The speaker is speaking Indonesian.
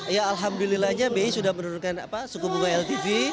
ya alhamdulillah aja bi sudah menurunkan suku bunga ltv